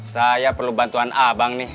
saya perlu bantuan abang nih